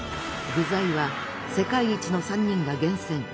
具材は世界一の３人が厳選。